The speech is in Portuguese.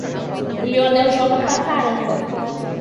O Lionel joga pra caramba.